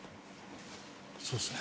そうですね。